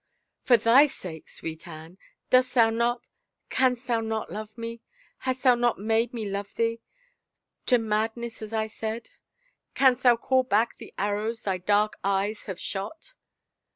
" For thy sake, sweet Anne ? Dost thou not — canst thou not love me ? Hast thou not made me love thee — to madness, as I said. Canst thou call back the arrows thy dark eyes have shot